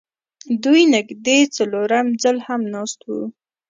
دوی نږدې څلورم ځل هم ناست وو